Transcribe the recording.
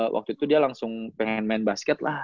waktu itu dia langsung pengen main basket lah